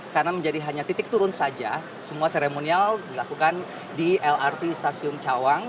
karena menjadi hanya titik turun saja semua seremonial dilakukan di lrt stasiun cawang